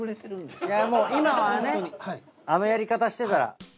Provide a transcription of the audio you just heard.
今はねあのやり方してたら。